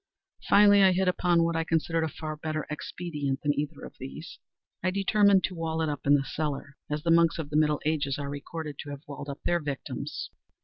Finally I hit upon what I considered a far better expedient than either of these. I determined to wall it up in the cellar—as the monks of the middle ages are recorded to have walled up their victims.